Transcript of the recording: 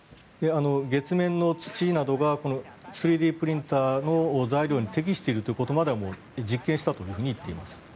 月面の土などがこの３Ｄプリンターの材料に適しているということまでは実験したといわれています。